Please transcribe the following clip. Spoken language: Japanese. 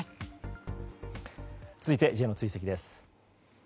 続いてＪの追跡です。